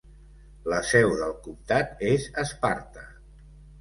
La seu del comtat és Sparta.